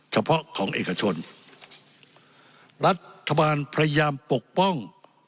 เฉพาะของเอกชนรัฐบาลพยายามปกป้อง